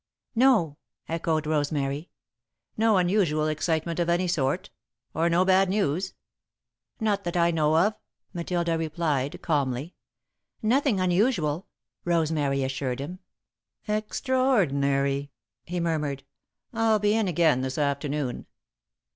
"No," echoed Rosemary. "No unusual excitement of any sort? Or no bad news?" "Not that I know of," Matilda replied, calmly. "Nothing unusual," Rosemary assured him. "Extraordinary!" he murmured. "I'll be in again this afternoon."